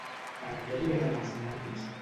Per què li venen els nervis?